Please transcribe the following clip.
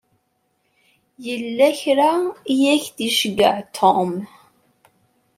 Yella kra i ak-d-iceyyeɛ Tom.